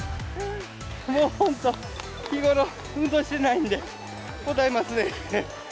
もうほんと、日頃運動してないんで、こたえますね。